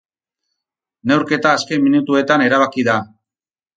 Neurketa azken minutuetan erabaki da.